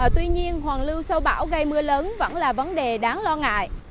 tuy nhiên hoàng lưu sâu bão gây mưa lớn vẫn là vấn đề đáng lo ngại